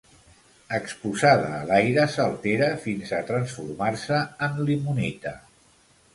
Exposada a l'aire s'altera fins a transformar-se en limonita.